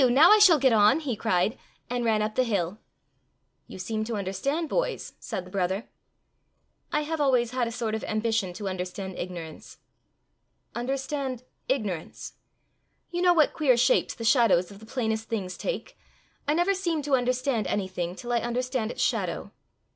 Now I shall get on!" he cried, and ran up the hill. "You seem to understand boys!" said the brother. "I have always had a sort of ambition to understand ignorance." "Understand ignorance?" "You know what queer shapes the shadows of the plainest things take: I never seem to understand any thing till I understand its shadow."